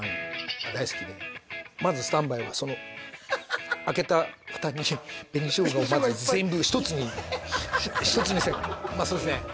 まずスタンバイはその開けたフタに紅生姜をまず全部一つに一つにしてまあそうですねえ！